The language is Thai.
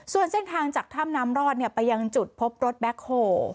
ส่วนเส้นทางจากถ้ำน้ำรอดไปยังจุดพบรถแบ็คโฮ